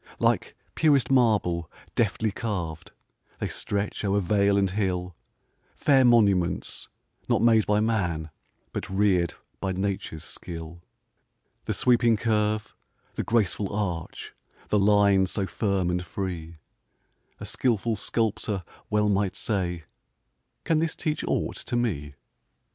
Like purest marble, deftly carv'd, They stretch o'er vale and hill, Fair monuments, not made by man, But rear'd by nature's skill. The sweeping curve, the graceful arch, The line so firm and free; A skilful sculptor well might say: "Can this teach aught to me?"